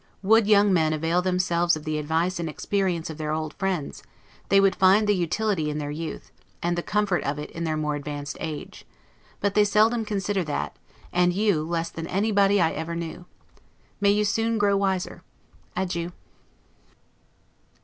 Would young men avail themselves of the advice and experience of their old friends, they would find the utility in their youth, and the comfort of it in their more advanced age; but they seldom consider that, and you, less than anybody I ever knew. May you soon grow wiser! Adieu.